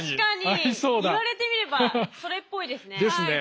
言われてみればそれっぽいですね。ですね。